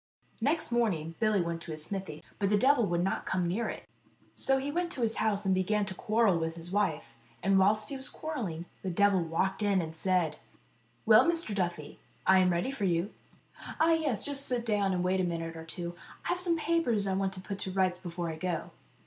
Next morning Billy went to his smithy, but the devil would not come near it. So he went to his house, and began to quarrel with his wife, and whilst he was quarrelling the devil walked in and said : "Well, Mr. Duffy, I am ready for you." " Ah, yes ; just sit down and wait a minute or two. I have some papers I want to put to rights before I go."